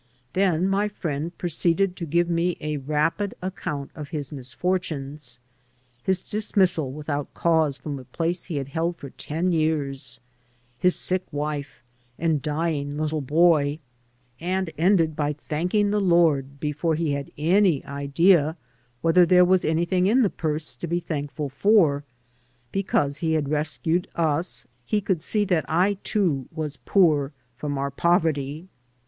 Then my friend proceeded to give me a rapid account of his misfortunes — ^his dismissal without cause from a place he had held for ten years, his sick wife and dying little boy — ^and ended by thanking the Lord, before he had any idea whether there was anything in the purse to be thankful for, because He had rescued us — ^he could see that I, too, was poor — from our poverty.